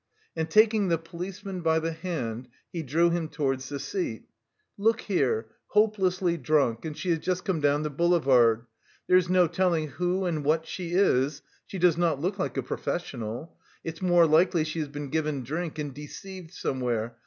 And taking the policeman by the hand he drew him towards the seat. "Look here, hopelessly drunk, and she has just come down the boulevard. There is no telling who and what she is, she does not look like a professional. It's more likely she has been given drink and deceived somewhere...